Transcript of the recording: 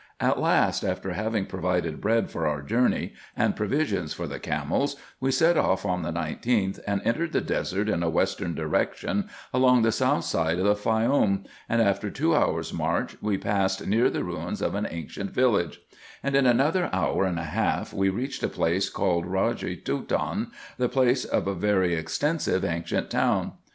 At last, after having provided bread for our journey, and provisions for the camels, we set off on the 19th, and entered the desert in a western direction, along the south side of the Faioum, and after two hours march, we passed near the ruins of an ancient village ; and in another hour and a half we reached a place called Raweje Toton, the seat of a very ex tensive ancient town.